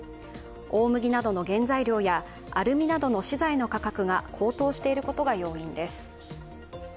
大麦などの原材料やアルミなどの資材の価格が高騰していることが要因です。